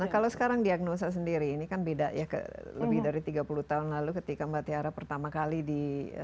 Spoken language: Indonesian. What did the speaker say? nah kalau sekarang diagnosa sendiri ini kan beda ya lebih dari tiga puluh tahun lalu ketika mbak tiara pertama kali di